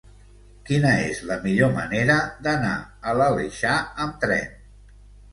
Quina és la millor manera d'anar a l'Aleixar amb tren?